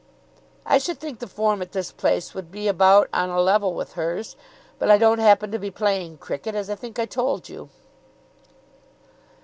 "I should think the form at this place would be about on a level with hers. But I don't happen to be playing cricket, as I think I told you."